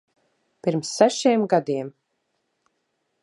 Pirms sešiem gadiem.